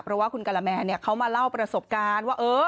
เพราะว่าคุณกะละแมนเขามาเล่าประสบการณ์ว่า